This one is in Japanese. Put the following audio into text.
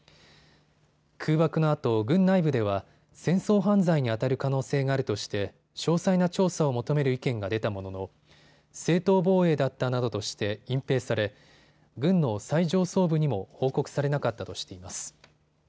空爆のあと軍内部では戦争犯罪にあたる可能性があるとして詳細な調査を求める意見が出たものの正当防衛だったなどとして隠蔽され、軍の最上層部にも報告されなかったとしています。